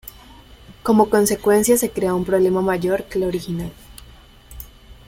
Como consecuencia se crea un problema mayor que el original.